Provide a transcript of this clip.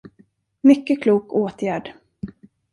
Mycket klok åtgärd!